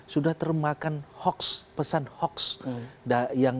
sudah termakan hoax pesan hoax